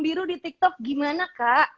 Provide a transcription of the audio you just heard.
biru di tiktok gimana kak